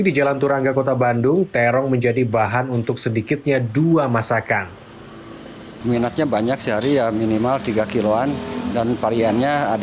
di jalan turangga kota bandung terong menjadi bahan untuk sedikitnya dua masakan